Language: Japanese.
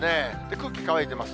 空気乾いてます。